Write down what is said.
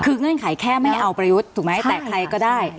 คือเงื่อนไขแค่ไม่เอาประยุทธ์ถูกไหมแต่ใครก็ได้